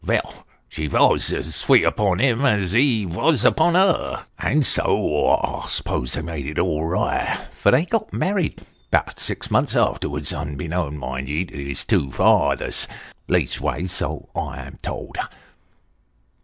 Veil, she vos as sweet upon him as he vos upon her, and so I s'pose they made it all right ; for they got married 'bout six months arterwards, unbeknown, mind ye, to the two fathers leastways so I'm told.